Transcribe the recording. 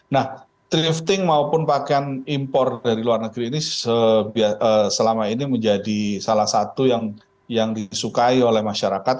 nah thrifting maupun pakaian impor dari luar negeri ini selama ini menjadi salah satu yang disukai oleh masyarakat